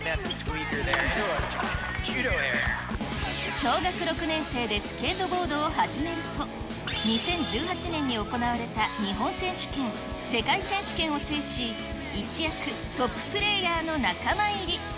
小学６年生でスケートボードを始めると、２０１８年に行われた日本選手権、世界選手権を制し、一躍、トッププレーヤーの仲間入り。